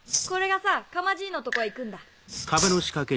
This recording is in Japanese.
これがさ釜爺のとこへ行くんだ。